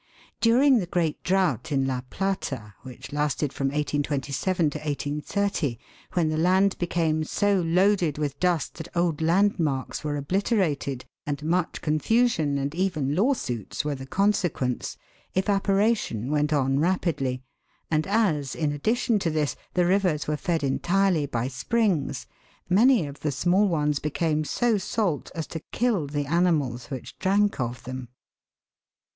During the great drought in La Plata, which lasted from 1827 to 1830, when the land became so loaded with dust that old landmarks were obliterated, and much confusion and even lawsuits were the consequence, evaporation went on rapidly, and as, in addition to this, the rivers were fed entirely by springs, many of the small ones became so salt as to kill the animals which drank of them.